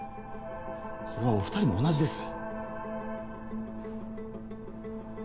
それはお２人も同じです。